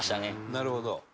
「なるほど。